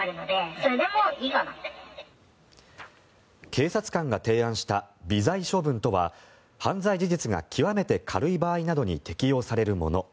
警察官が提案した微罪処分とは犯罪事実が極めて軽い場合などに適用されるもの。